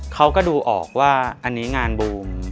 เขาก็ดูออกว่าอันนี้งานบูม